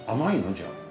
じゃあ。